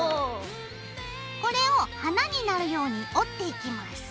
これを花になるように折っていきます。